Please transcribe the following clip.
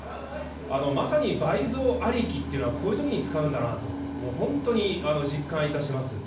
まさに倍増ありきっていうのは、こういうときに使うんだなと、本当に実感いたします。